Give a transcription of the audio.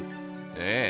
ええ。